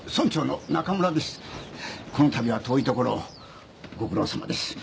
この度は遠いところご苦労さまです。